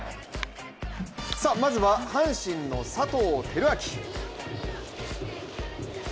まずは阪神の佐藤輝明。